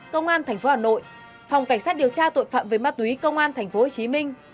công an tp hà nội phòng cảnh sát điều tra tội phạm về ma túy công an tp hồ chí minh